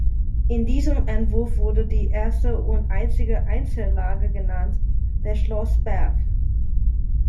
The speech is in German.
In diesem Entwurf wurde die erste und einzige Einzellage genannt: der Schlossberg.